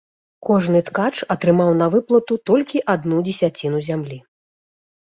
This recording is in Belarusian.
Кожны ткач атрымаў на выплату толькі адну дзесяціну зямлі.